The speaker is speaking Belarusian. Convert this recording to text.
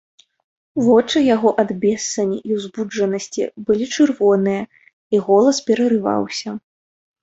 Вочы яго ад бессані і ўзбуджанасці былі чырвоныя, і голас перарываўся.